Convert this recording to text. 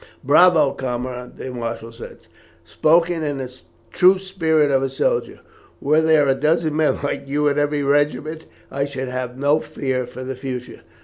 "Bravo, comrade!" the marshal said; "spoken in the true spirit of a soldier. Were there a dozen men like you in every regiment I should have no fear for the future.